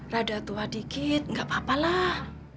rada tua dikit enggak apa apalah